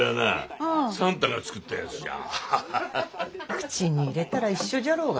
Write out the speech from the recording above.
口に入れたら一緒じゃろうが。